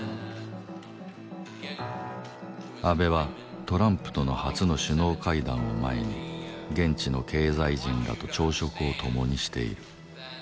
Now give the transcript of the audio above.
安倍はトランプとの初の首脳会談を前に現地の経済人らと朝食を共にしている